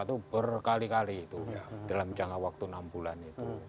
itu berkali kali itu dalam jangka waktu enam bulan itu